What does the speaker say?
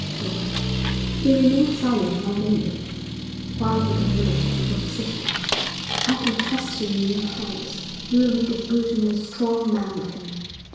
'George?' He remained silent for a moment, while he considered the proposition. 'I can trust him in your hands. You will make a good and a strong man of him.